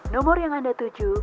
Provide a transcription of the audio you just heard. nomor yang anda tuju